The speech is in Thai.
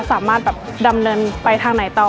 สามารถแบบดำเนินไปทางไหนต่อ